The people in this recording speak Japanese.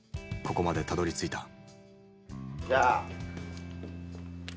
ここまでたどりついた。